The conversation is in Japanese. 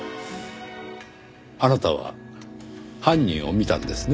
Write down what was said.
あなたは犯人を見たんですね？